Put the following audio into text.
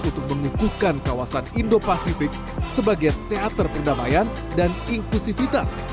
untuk mengukuhkan kawasan indo pasifik sebagai teater perdamaian dan inklusivitas